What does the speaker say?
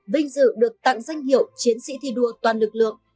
vinh dự được tặng danh hiệu chiến sĩ thi đua toàn lực lượng